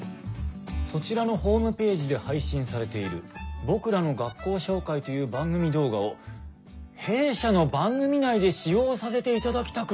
「そちらのホームページで配信されている『僕らの学校紹介』という番組動画を弊社の番組内で使用させていただきたく」。